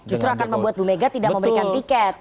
justru akan membuat bumega tidak memberikan piket